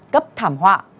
cấp thảm họa